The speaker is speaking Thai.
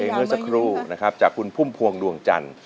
เมื่อสักครู่นะครับจากคุณพุ่มพวงดวงจันทร์